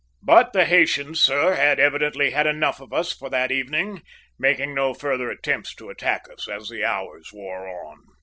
But the Haytians, sir, had evidently had enough of us for that evening, making no further attempts to attack us as the hours wore on.